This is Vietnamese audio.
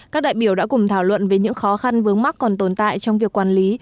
các đại biểu đã cùng thảo luận về những khó khăn vướng mắc còn tồn tại trong việc quản lý